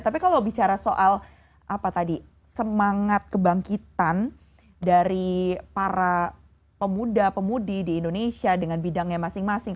tapi kalau bicara soal apa tadi semangat kebangkitan dari para pemuda pemudi di indonesia dengan bidangnya masing masing